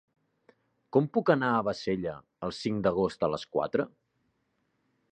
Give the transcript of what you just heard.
Com puc anar a Bassella el cinc d'agost a les quatre?